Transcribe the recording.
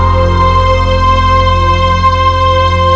ketika rakyat sampai ke latar